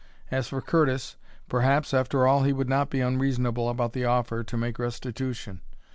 As for Curtis perhaps, after all, he would not be unreasonable about the offer to make restitution.